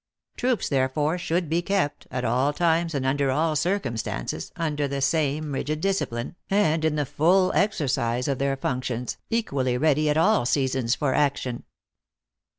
Troops, therefore, should be kept, at all times and under all circumstances, under the same rigid discipline, and in THE ACTEESS IN HIGH LIFE. 261 the full exercise of their functions, equally ready at all seasons for action."